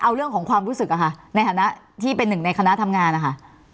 เอาเรื่องของความรู้สึกอะค่ะในฐานะที่เป็นหนึ่งในคณะทำงานนะคะ